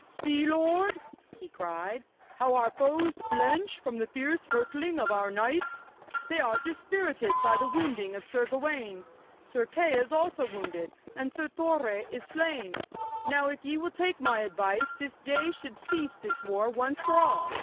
'See, lord,' he cried, 'how our foes flinch from the fierce hurtling of our knights. They are dispirited by the wounding of Sir Gawaine. Sir Kay is also wounded, and Sir Torre is slain. Now, if ye will take my advice, this day should cease this war once for all.